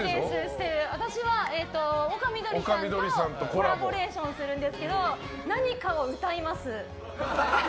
私は丘みどりさんとコラボレーションするんですけど何かを歌います。